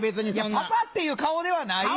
パパっていう顔ではないよ。